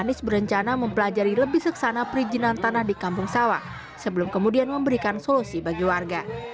anies berencana mempelajari lebih seksana perizinan tanah di kampung sawah sebelum kemudian memberikan solusi bagi warga